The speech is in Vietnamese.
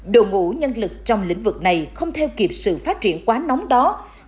đồ ngũ nhân lực trong lĩnh vực này không theo kịp sự phát triển quá nóng đó